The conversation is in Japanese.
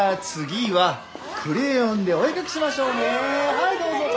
はいどうぞ。